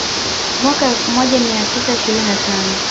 Mwaka elfu moja mia tisa ishirini na tano